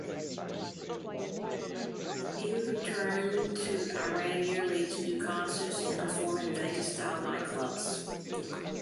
He would return to Iran yearly to do concerts and perform in Vegas-styled nightclubs.